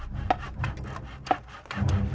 waktu dibakar nih